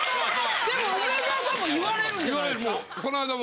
でも梅沢さんも言われるんじゃないですか？